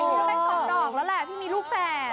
สงสัยที่ไม่ได้ดอกแล้วแหละพี่มีลูกแฝด